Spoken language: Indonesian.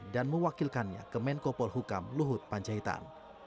dan mewakilkannya ke menkopol hukam luhut panjaitan